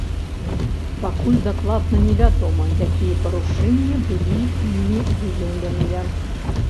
Пакуль дакладна невядома, якія парушэнні былі імі выяўленыя.